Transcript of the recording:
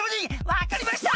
「分かりました！